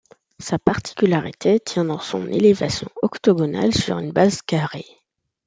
Sa particularité tient dans son élévation octogonale sur une base carrée.